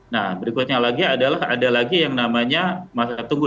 nah berikutnya lagi adalah ada lagi yang namanya masa tunggu